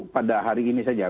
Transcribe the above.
pada hari ini saja